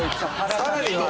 さらにノ